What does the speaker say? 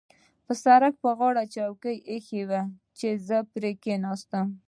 د سړک پر غاړه چوکۍ اېښې وې چې زه پرې کېناستم.